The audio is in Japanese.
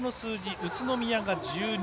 宇都宮が１２